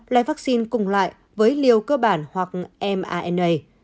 loại vaccine cùng loại với liều cơ bản hoặc mrna